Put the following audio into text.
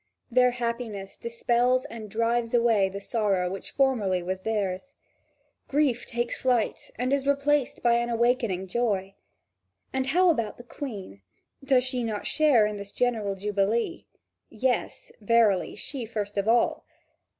Their happiness dispels and drives away the sorrow which formerly was theirs. Grief takes flight and is replaced by an awakening joy. And how about the Queen? Does she not share in the general jubilee? Yes, verily, she first of all.